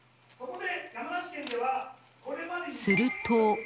すると。